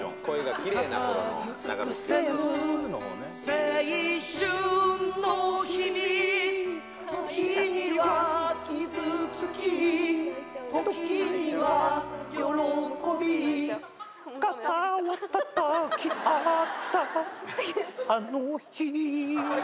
「青春の日々」「時には傷つき時には喜び」「肩をたたきあったあの日」